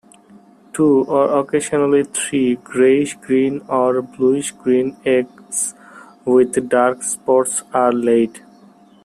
Two, or occasionally three, greyish-green or bluish-green eggs with dark spots are laid.